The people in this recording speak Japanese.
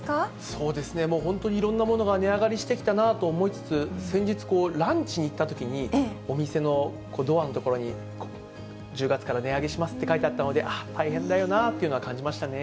そうですね、もう本当にいろんなものが値上がりしてきたなと思いつつ、先日、ランチに行ったときに、お店のドアの所に、１０月から値上げしますって書いてあったので、あっ、大変だよなっていうのは感じましたよね。